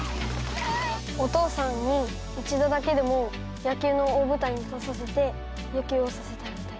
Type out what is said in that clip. お父さんに一度だけでも野球の大舞台に出させて野球をさせてあげたい。